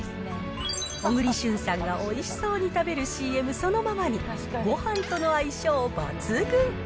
小栗旬さんがおいしそうに食べるＣＭそのままに、ごはんとの相性抜群。